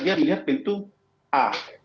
dia melihat pintu a